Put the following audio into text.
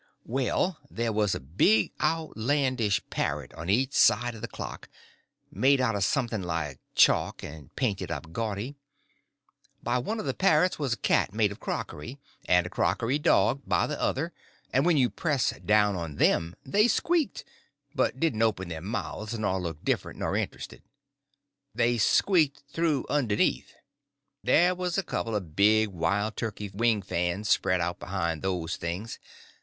Well, there was a big outlandish parrot on each side of the clock, made out of something like chalk, and painted up gaudy. By one of the parrots was a cat made of crockery, and a crockery dog by the other; and when you pressed down on them they squeaked, but didn't open their mouths nor look different nor interested. They squeaked through underneath. There was a couple of big wild turkey wing fans spread out behind those things.